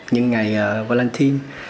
những ngày valentine